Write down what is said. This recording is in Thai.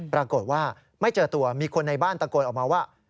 ปรากฏว่าไม่เจอตัวมีคนในบ้านตะโกนออกมาว่า